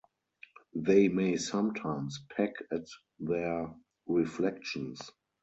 They may sometimes peck at their reflections.